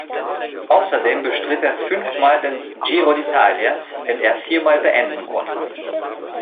Außerdem bestritt er fünfmal den Giro d’Italia, den er viermal beenden konnte.